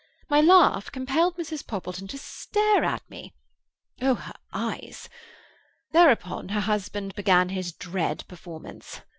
My laugh compelled Mrs. Poppleton to stare at me—oh, her eyes! Thereupon, her husband began his dread performance.